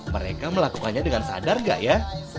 mereka melakukannya dengan sadar gak ya